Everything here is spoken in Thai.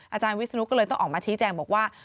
อาจารย์วิศนุก็เลยต้องออกมาชี้แจงบอกว่า